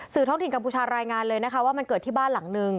ท้องถิ่นกัมพูชารายงานเลยนะคะว่ามันเกิดที่บ้านหลังนึง